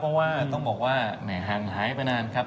เพราะว่าต้องบอกว่าแหม่ห่างหายไปนานครับ